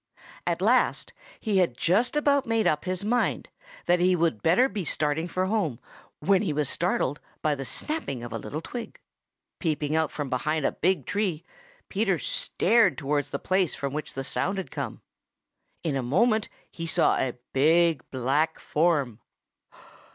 At last he had just about made up his mind that he would better be starting for home when he was startled by the snapping of a little twig. Peeping out from behind a big tree, Peter stared towards the place from which that sound had come. In a moment he saw a big black form.